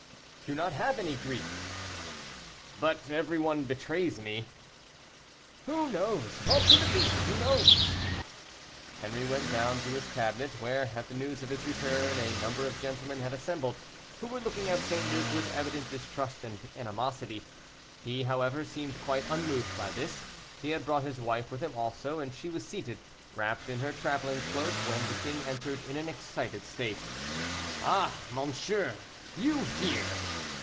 "Do not have any grief." "But everyone betrays me." "Who knows? Ventre de biche! who knows?" Henri went down to his cabinet, where, at the news of his return, a number of gentlemen had assembled, who were looking at St. Luc with evident distrust and animosity. He, however, seemed quite unmoved by this. He had brought his wife with him also, and she was seated, wrapped in her traveling cloak, when the king entered in an excited state. "Ah, monsieur, you here!"